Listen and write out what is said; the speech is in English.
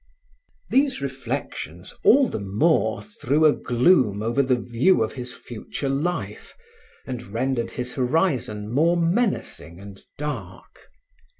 These reflections all the more threw a gloom over the view of his future life and rendered his horizon more menacing and dark.